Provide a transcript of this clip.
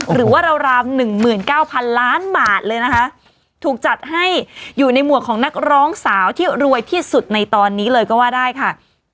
หรือว่าราวราว๑๙๐๐ล้านบาทเลยนะคะถูกจัดให้อยู่ในหมวกของนักร้องสาวที่รวยที่สุดในตอนนี้เลยก็ว่าได้ค่ะ